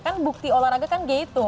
kan bukti olahraga kan gitu